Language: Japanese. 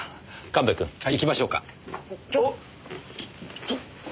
神戸くん行きましょうか。